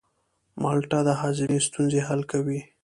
مالټه د هاضمې ستونزې حل کوي.